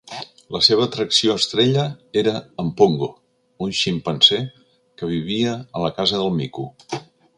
La seva atracció estrella era en "Pongo", un ximpanzé que vivia a la Casa del Mico.